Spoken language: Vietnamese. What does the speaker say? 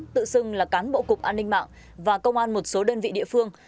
tự xưng là cán bộ cục an ninh mạng và công an một số đơn vị địa phương